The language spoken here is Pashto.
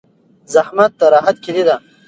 زحمت د راحت کیلي ده.